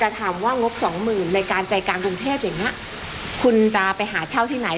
ถามว่างบสองหมื่นในการใจกลางกรุงเทพอย่างเงี้ยคุณจะไปหาเช่าที่ไหน